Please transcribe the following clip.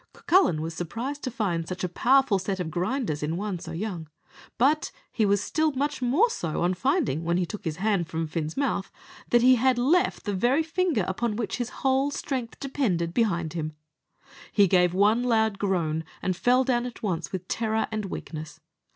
Cucullin was surprised to find such a powerful set of grinders in one so young; but he was still much more so on finding, when he took his hand from Fin's mouth, that he had left the very finger upon which his whole strength depended, behind him. He gave one loud groan, and fell down at once with terror and weakness.